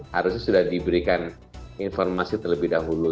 harusnya sudah diberikan informasi terlebih dahulu